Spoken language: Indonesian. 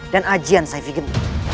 dan ajian saifigen